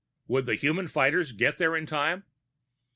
Would the human fighters get there in time?